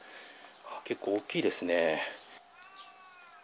結構、大きいですね。